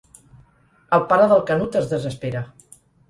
El pare del Canut es desespera.